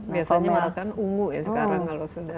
biasanya merah kan ungu ya sekarang kalau sudah